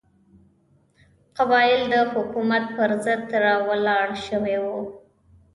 قبایل د حکومت پر ضد راولاړ شوي وو.